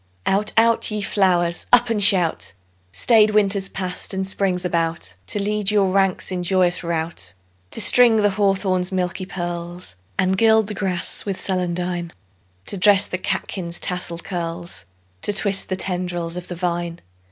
Out, out, ye flowers! Up and shout! Staid Winter's passed and Spring's about To lead your ranks in joyous rout; To string the hawthorn's milky pearls, And gild the grass with celandine; To dress the catkins' tasselled curls, To twist the tendrils of the vine.